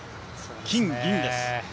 金銀です。